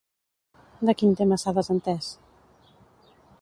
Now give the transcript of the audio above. De quin tema s'ha desentès?